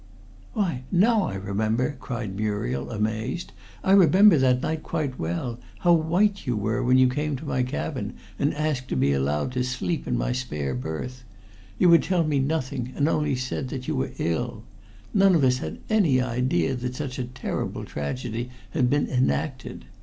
"Why! Now I remember!" cried Muriel, amazed. "I remember that night quite well, how white you were when you came to my cabin and asked to be allowed to sleep in my spare berth. You would tell me nothing, and only said you were ill. None of us had any idea that such a terrible tragedy had been enacted.